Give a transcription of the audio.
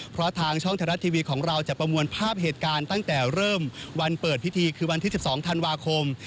เพราะทางช่องไทยรัฐทีวีของเราจะประมวลภาพเหตุการณ์ตั้งแต่เริ่มวันเปิดพิธีคือวันที่๑๒ธันวาคม